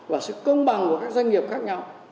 và sự công bằng của các doanh nghiệp khác nhau